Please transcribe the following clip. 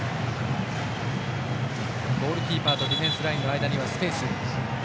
ゴールキーパーとディフェンスラインの間にはスペース。